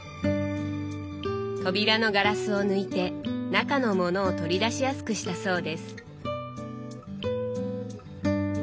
扉のガラスを抜いて中の物を取り出しやすくしたそうです。